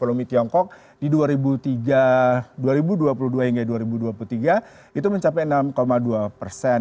di tiongkok di dua ribu dua puluh tiga hingga dua ribu dua puluh tiga itu mencapai enam dua persen